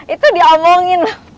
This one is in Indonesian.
itu diomongin lah ya